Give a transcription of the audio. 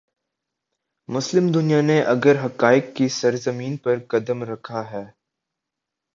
مسلم دنیا نے اگر حقائق کی سرزمین پر قدم رکھا ہے۔